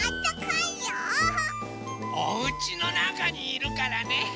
おうちのなかにいるからね。